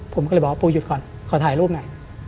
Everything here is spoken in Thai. ผมก็เลยบอกว่าปูหยุดก่อนขอถ่ายรูปหน่อย